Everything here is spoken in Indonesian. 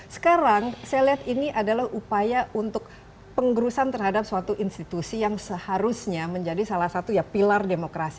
sekarang saya lihat ini adalah upaya untuk penggerusan terhadap suatu institusi yang seharusnya menjadi salah satu ya pilar demokrasi